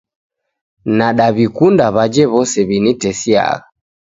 Nadaw'ikunda w'aje w'ose w'initesiagha